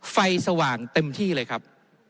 สว่างเต็มที่เลยครับ